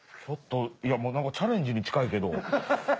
ちょっともう何かチャレンジに近いけど。